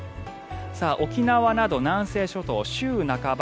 沖縄など南西諸島、週半ば